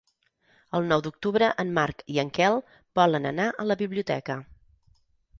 El nou d'octubre en Marc i en Quel volen anar a la biblioteca.